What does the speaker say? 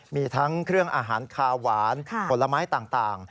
มีทั้งเครื่องอาหารคาหวานผลไม้ต่าง